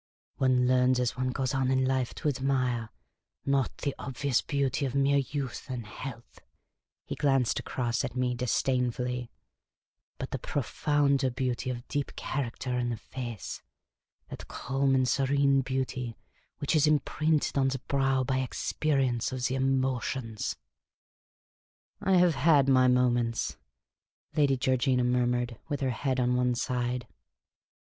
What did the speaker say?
One learns as one goes on in life to admire, not the obvious beauty of mere youth and health "— he glanced across at me disdainfully —" but the profounder beauty of deep character in a face — that calm and serene beauty which is imprinted on the brow by experience of the emotions." 22 Miss Cayley's Adventures " I have had my iiionients," lyady Georgina murmured, wilh her head on one side.